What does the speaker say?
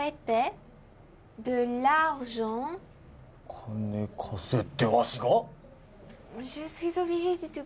金貸せってわしが！？